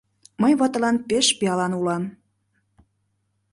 Мый ватылан пеш пиалан улам.